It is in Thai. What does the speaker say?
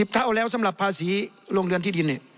เท่าแล้วสำหรับภาษีโรงเรือนที่ดิน